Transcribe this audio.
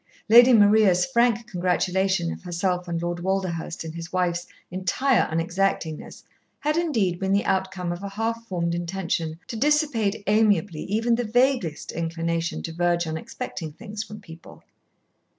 Lady Maria's frank congratulation of herself and Lord Walderhurst in his wife's entire unexactingness had indeed been the outcome of a half formed intention to dissipate amiably even the vaguest inclination to verge on expecting things from people.